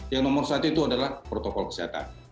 yang nomor satu itu adalah protokol kesehatan